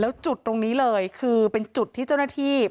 แล้วจุดตรงนี้เลยคือเป็นจุดที่เจ้าหน้าที่